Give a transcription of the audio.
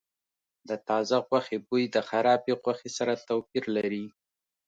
د تازه غوښې بوی د خرابې غوښې سره توپیر لري.